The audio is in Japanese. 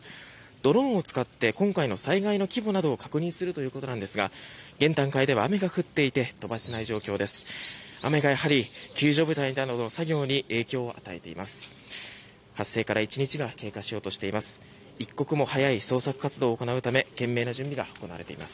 ドローンを使って今回の災害の規模を確認するということですが現段階では雨が降っていて飛ばせない状況です。